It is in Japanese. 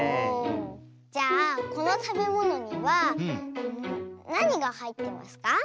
じゃあこのたべものにはなにがはいってますか？